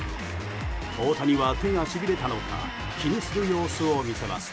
大谷は手がしびれたのか気にする様子を見せます。